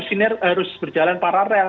ini harus berjalan paralel